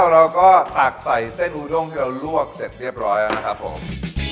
เราก็ตักใส่เส้นอูด้งที่เราลวกเสร็จเรียบร้อยแล้วนะครับผม